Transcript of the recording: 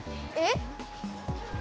えっ？